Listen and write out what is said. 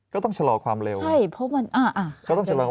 ก็ต้องชะลอความเร็ว